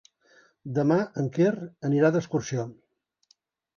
Demà en Quer anirà d'excursió.